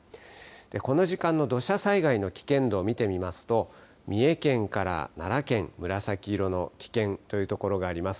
この時間の土砂災害の危険度を見てみますと三重県から奈良県、紫色の危険というところがあります。